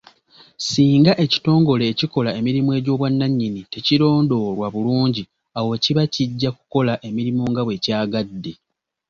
Singa ekitongole ekikola emirimu egy'obwannannyini tekirondoolwa bulungi, awo kiba kijja kukola emirimu nga bwe kyagadde.